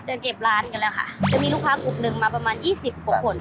จะเก็บร้านกันแล้วค่ะจะดูลูกค้าปกติ๑มาประมาณ๒๐กว่าคน